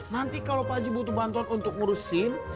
nanti kalau pak haji butuh bantuan untuk ngurus sim